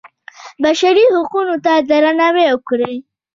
بشري حقونو ته درناوی وکړئ